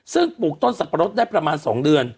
ซึ่งปลูกต้นสับปะรดได้ประมาณ๒เดือน